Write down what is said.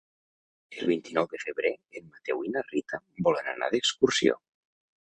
El vint-i-nou de febrer en Mateu i na Rita volen anar d'excursió.